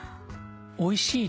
おいしい。